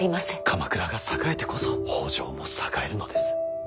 鎌倉が栄えてこそ北条も栄えるのです。